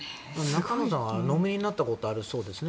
中野さんはお飲みになったことがあるそうですね。